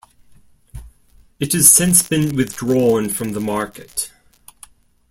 It has since been withdrawn from the market.